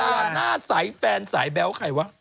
ดาราหน้าสายแฟนสายแบ๊วใครวะ